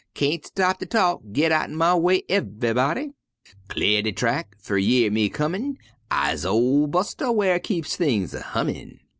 Kain't stop to talk; git outen my way, ev'yb'dy, _'Cle'r de track, fer yer me comin', I'se ol' Buster whar keep things hummin'.'